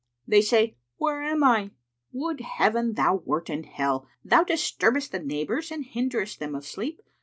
"They say, 'Where am I?'" "Would Heaven thou wert in Hell! Thou disturbest the neighbours and hinderest them of sleep.